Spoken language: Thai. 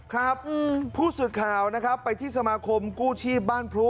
ครับผู้สื่อข่าวไปที่สมาคมกู้ชีพบ้านพรุ้